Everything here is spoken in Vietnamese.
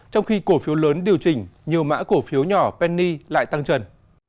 trong khi cổ phiếu lớn điều chỉnh nhiều mã cổ phiếu nhỏ penny lại tăng trần